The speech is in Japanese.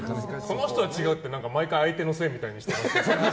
その人は違うって毎回相手のせいみたいにしてるけど。